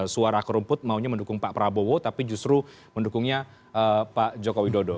suara akar rumput maunya mendukung pak prabowo tapi justru mendukungnya pak jokowi dodo